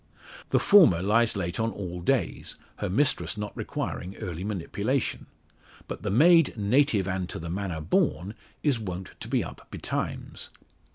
The former lies late on all days, her mistress not requiring early manipulation; but the maid "native and to the manner born," is wont to be up betimes.